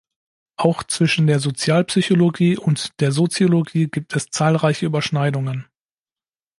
Auch zwischen der Sozialpsychologie und der Soziologie gibt es zahlreiche Überschneidungen.